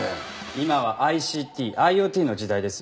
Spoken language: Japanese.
今はＩＣＴＩｏＴの時代ですよ。